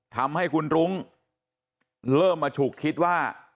ทำให้คุณรุ้งเริ่มมาฉุกคิดว่า